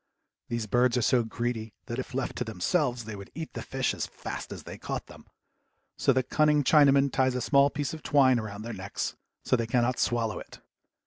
These birds are so greedy that if left to themselves they would eat the fish as fast as they caught them, so the cunning Chinaman ties a small piece of twine around their necks so that they cannot swallow it.